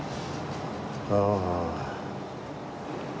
ああ。